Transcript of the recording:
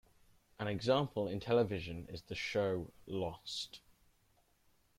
An example in television is the show "Lost".